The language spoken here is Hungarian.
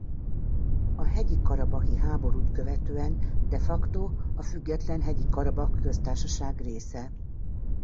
A Hegyi-karabahi háborút követően de facto a független Hegyi-Karabah Köztársaság része.